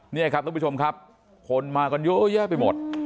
นี่ครับทุกผู้ชมครับคนมากันเยอะแยะไปหมด